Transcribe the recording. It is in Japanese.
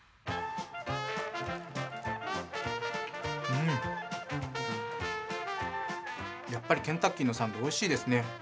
うん、やっぱりケンタッキーのサンド、おいしいですね。